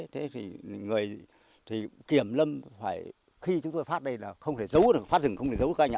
thế thì người thì kiểm lâm phải khi chúng tôi phát đây là không thể giấu được phát rừng không thể giấu được các anh ạ